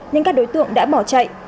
nhưng các đối tượng đã bỏ chạy